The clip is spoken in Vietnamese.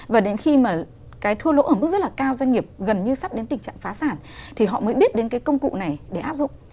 và đến khi mà cái thua lỗ ở mức rất là cao doanh nghiệp gần như sắp đến tình trạng phá sản thì họ mới biết đến cái công cụ này để áp dụng